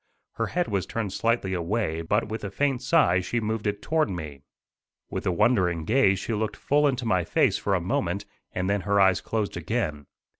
Her head was turned slightly away, but with a faint sigh she moved it toward me. With a wondering gaze she looked full into my face for a moment, and then her eyes closed again.